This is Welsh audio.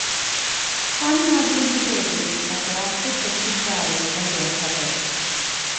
Pan nad yw'n hydoddi, gall yr asid hwn grisialu gan greu cerrig.